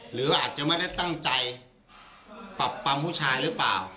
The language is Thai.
หรืออาจจะไม่ได้ตั้งใจปักปำผู้ชายหรือเปล่า